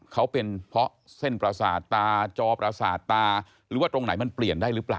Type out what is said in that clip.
เขาเป็นเพราะเส้นประสาทตาจอประสาทตาหรือว่าตรงไหนมันเปลี่ยนได้หรือเปล่า